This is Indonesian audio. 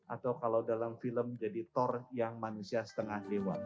atau kalau dalam film jadi tor yang manusia setengah dewa